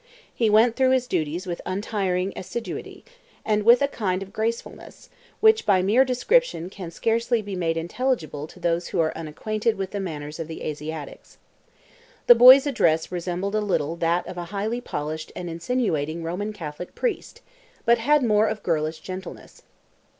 He went through his duties with untiring assiduity, and with a kind of gracefulness, which by mere description can scarcely be made intelligible to those who are unacquainted with the manners of the Asiatics. The boy's address resembled a little that of a highly polished and insinuating Roman Catholic priest, but had more of girlish gentleness.